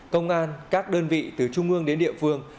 công an các đơn vị từ trung ương đến địa phương